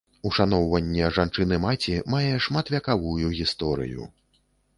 Ушаноўванне жанчыны-маці мае шматвяковую гісторыю.